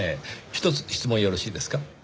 ひとつ質問よろしいですか？